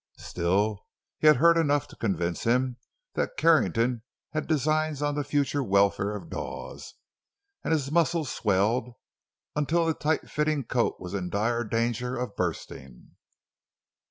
Still, he had heard enough to convince him that Carrington had designs on the future welfare of Dawes, and his muscles swelled until the tight fitting coat was in dire danger of bursting.